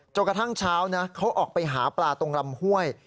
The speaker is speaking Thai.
กระทั่งเช้านะเขาออกไปหาปลาตรงลำห้วย